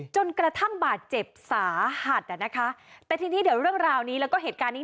จนกระทั่งบาดเจ็บสาหัสอ่ะนะคะแต่ทีนี้เดี๋ยวเรื่องราวนี้แล้วก็เหตุการณ์นี้